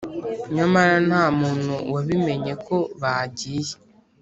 nyamara nta muntu wabimenye ko bagiye